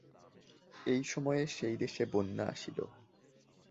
এই সময়ে সেই দেশে বন্যা আসিল।